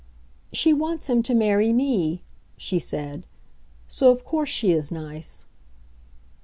"She wants him to marry me," she said. "So of course she is nice."